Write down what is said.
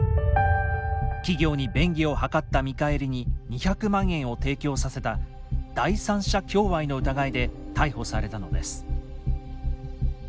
企業に便宜を図った見返りに２００万円を提供させた「第三者供賄」の疑いで逮捕されたのです。